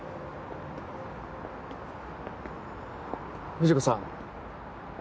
藤子さん。